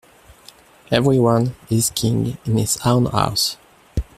Every one is king in his own house.